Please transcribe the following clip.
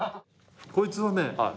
こいつはね